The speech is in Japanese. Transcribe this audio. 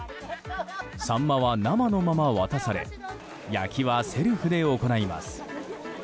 サンマは生のまま渡され焼きはセルフで行われます。